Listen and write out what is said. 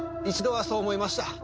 一度はそう思いました。